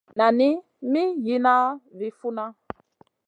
Nani mi Wii yihna vi funna.